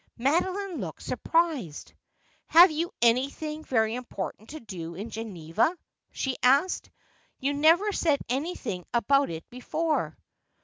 Madoline looked surprised. ' Have you anything very important to do in Geneva ?' she asked ;' you never said anything about it before.'